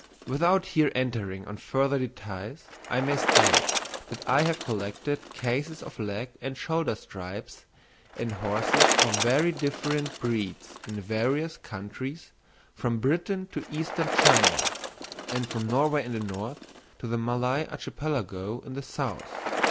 Without here entering on further details I may state that I have collected cases of leg and shoulder stripes in horses of very different breeds in various countries from Britain to Eastern China; and from Norway in the north to the Malay Archipelago in the south.